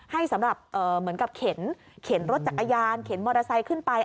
สำหรับเหมือนกับเข็นรถจักรยานเข็นมอเตอร์ไซค์ขึ้นไป